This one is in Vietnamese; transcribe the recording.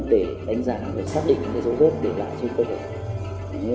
để đánh giá để xác định những dấu vết để lại cho chúng tôi